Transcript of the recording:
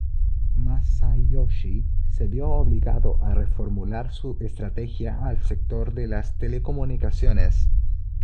Masayoshi se vio obligado a reformular su estrategia al sector de las telecomunicaciones.